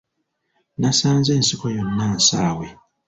Nasanze ensiko yonna nsaawe.